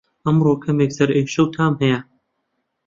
ئەمڕۆ کەمێک سەرئێشه و تام هەیە